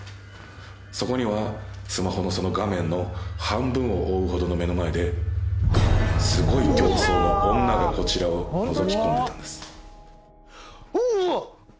そこにはスマホのその画面の半分を覆うほどの目の前ですごい形相の女がこちらをのぞき込んでたんですうわっ！